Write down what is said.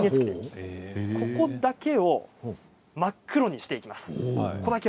ここだけを真っ黒にしていきます。